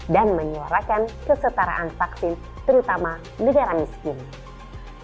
dan menyuarakan kesetaraan vaksin terutama negara indonesia